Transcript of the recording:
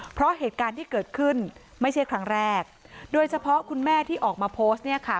เพราะเหตุการณ์ที่เกิดขึ้นไม่ใช่ครั้งแรกโดยเฉพาะคุณแม่ที่ออกมาโพสต์เนี่ยค่ะ